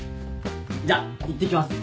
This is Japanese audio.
じゃいってきます。